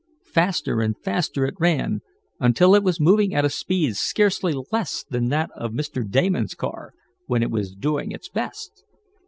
Faster and faster it ran, until it was moving at a speed scarcely less than that of Mr. Damon's car, when it was doing its best.